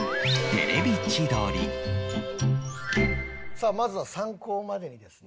さあまずは参考までにですね